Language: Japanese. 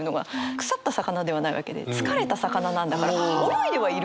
腐った魚ではないわけで疲れた魚なんだから泳いではいるんですよね。